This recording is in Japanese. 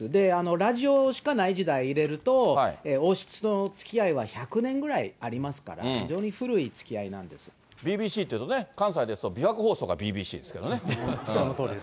ラジオしかない時代入れると、王室とのつきあいは１００年ぐらいありますから、ＢＢＣというとね、関西ですと、そのとおりです。